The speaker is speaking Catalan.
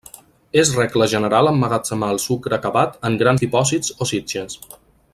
És regla general emmagatzemar el sucre acabat en grans dipòsits o sitges.